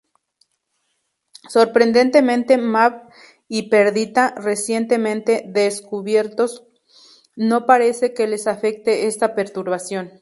Sorprendentemente, Mab y Perdita, recientemente descubiertos, no parece que les afecte esta perturbación.